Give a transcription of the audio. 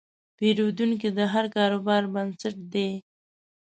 پیرودونکی د هر کاروبار بنسټ دی.